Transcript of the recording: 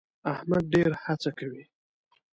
احمد ډېر هڅه کوي.